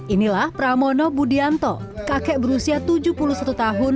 inilah pramono budianto kakek berusia tujuh puluh satu tahun